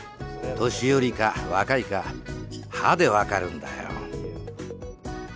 年寄りか若いか歯で分かるんだよ。